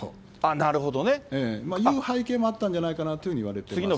なるほどね。っていう背景もあったんじゃないかなといわれてますよね。